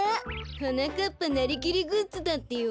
はなかっぱなりきりグッズだってよ。